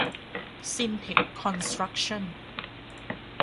ซินเท็ค คอนสตรัคชั่น